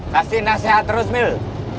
kasih nasihat terus mil